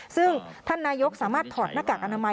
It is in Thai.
ซึ่งท่านนายกสามารถถอดหน้ากากอนามัย